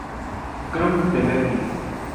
Crump de Memphis.